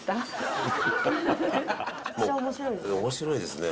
面白いですね